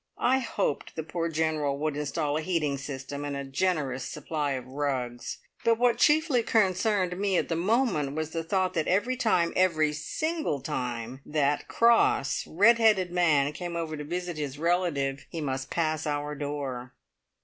I hoped the poor General would instal a heating system and a generous supply of rugs; but what chiefly concerned me at the moment was the thought that every time every single time that cross, red headed man came over to visit his relative, he must pass our door!